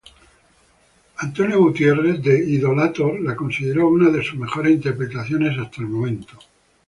Mike Wass de "Idolator" la consideró una de sus mejores interpretaciones hasta el momento.